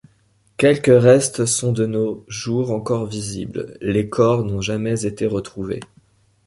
Quelques restes sont de nos jours encore visibles, les corps n’ont jamais été retrouvés.